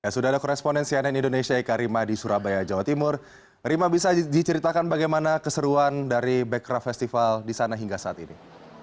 sudah ada koresponen cnn indonesia eka rima di surabaya jawa timur rima bisa diceritakan bagaimana keseruan dari bekraf festival di sana hingga saat ini